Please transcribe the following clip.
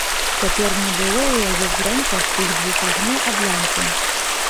Цяпер не было ў яе зрэнках тых двух агнёў ад лямпы.